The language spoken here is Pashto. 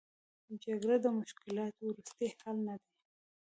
جګړه د مشکلاتو وروستۍ حل نه دی.